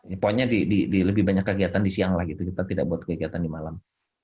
pokoknya lebih banyak kegiatan di siang lah gitu kita tidak buat kegiatan di malam